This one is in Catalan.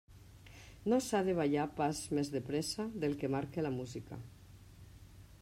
No s'ha de ballar pas més de pressa del que marca la música.